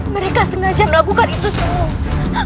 mereka sengaja melakukan itu semua